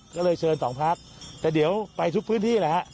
ก็เลยเชิญสองพักแต่เดี๋ยวไปทุกพื้นที่แหละฮะ